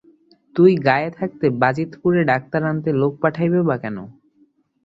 তুই গাঁয়ে থাকতে বাজিতপুরে ডাক্তার আনতে লোক পাঠাবেই বা কেন?